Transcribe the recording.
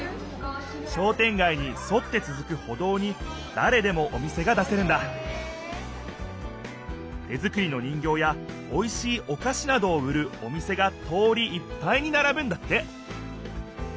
商店街にそってつづく歩道にだれでもお店が出せるんだ手作りの人形やおいしいおかしなどを売るお店が通りいっぱいにならぶんだって。